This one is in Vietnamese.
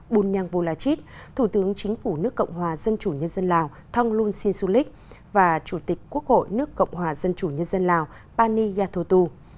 bùn nhang vô la chít thủ tướng chính phủ nước cộng hòa dân chủ nhân dân lào thong lung sin su lích và chủ tịch quốc hội nước cộng hòa dân chủ nhân dân lào pani gia thu tu